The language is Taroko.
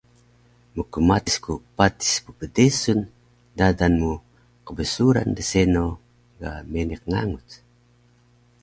mkmatis ku patis ppdesun dadan mu qbsuran rseno ga meniq nganguc